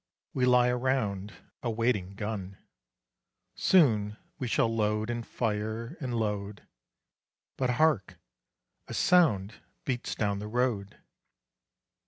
We lie around a waiting gun; Soon we shall load and fire and load. But, hark! a sound beats down the road.